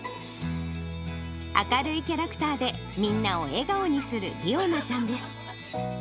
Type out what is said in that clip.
明るいキャラクターでみんなを笑顔にする理央奈ちゃんです。